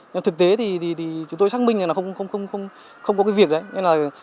nhưng thực tế thì chúng tôi xác minh là không có việc đấy